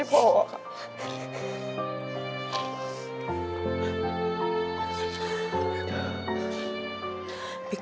ขอบคุณครับ